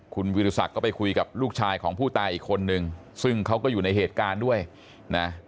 คุณวิทยาศักดิ์ก็ไปคุยกับลูกชายของผู้ตายอีกคนนึงซึ่งเขาก็อยู่ในเหตุการณ์ด้วยนะ